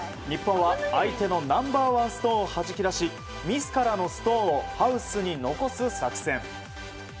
日本は相手のナンバーワンストーンをはじき出し自らのストーンをハウスに残す作戦。